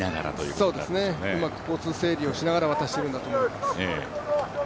うまく交通整理をしながら渡しているんだと思います。